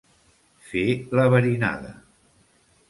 Fer la verinada.